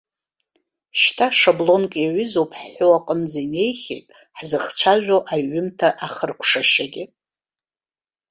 Шьҭа шаблонк иаҩызоуп ҳҳәо аҟынӡа инеихьеит ҳзыхцәажәо аҩымҭа ахыркәшашьагьы.